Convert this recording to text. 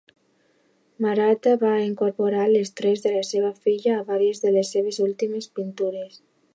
Maratta va incorporar els trets de la seva filla a vàries de les seves últimes pintures.